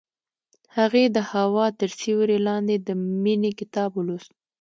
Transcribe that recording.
هغې د هوا تر سیوري لاندې د مینې کتاب ولوست.